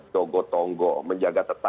togo tongo menjaga perusahaan